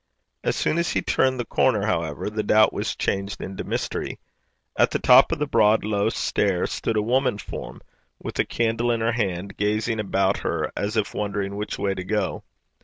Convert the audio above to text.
As soon as he turned the corner, however, the doubt was changed into mystery. At the top of the broad low stair stood a woman form with a candle in her hand, gazing about her as if wondering which way to go.